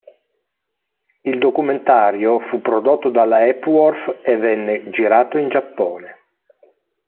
Il documentario fu prodotto dalla Hepworth e venne girato in Giappone.